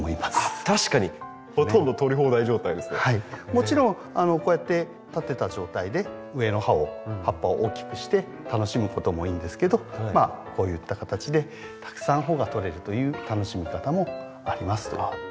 もちろんこうやって立てた状態で上の葉を葉っぱを大きくして楽しむこともいいんですけどまあこういった形でたくさん穂が取れるという楽しみ方もありますという。